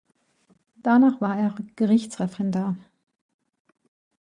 Danach war er Gerichtsreferendar.